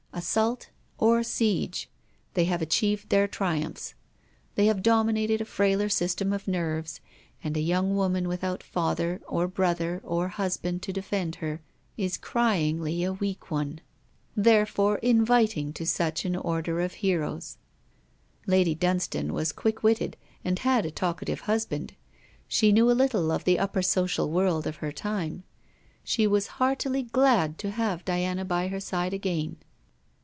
Assault or siege, they have achieved their triumphs; they have dominated a frailer system of nerves, and a young woman without father, or brother, or husband, to defend her, is cryingly a weak one, therefore inviting to such an order of heroes. Lady Dunstane was quick witted and had a talkative husband; she knew a little of the upper social world of her time. She was heartily glad to have Diana by her side again.